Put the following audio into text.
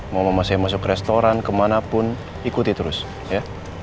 mau mama saya masuk restoran kemanapun ikuti terus ya